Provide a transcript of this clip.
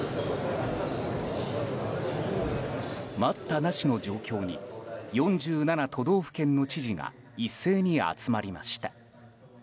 待ったなしの状況に４７都道府県の知事が一斉に集まりました。